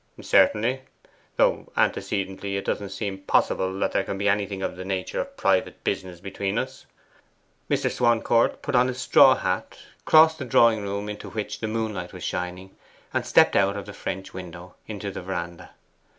'Certainly. Though antecedently it does not seem possible that there can be anything of the nature of private business between us.' Mr. Swancourt put on his straw hat, crossed the drawing room, into which the moonlight was shining, and stepped out of the French window into the verandah.